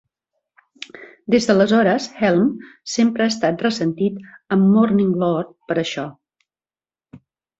Des d'aleshores, Helm sempre ha estat ressentit amb Morninglord per això.